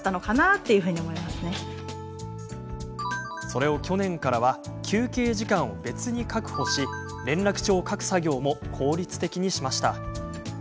それを去年からは休憩時間を別に確保し連絡帳を書く作業も効率的にしました。